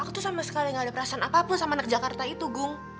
aku tuh sama sekali gak ada perasaan apapun sama anak jakarta itu gung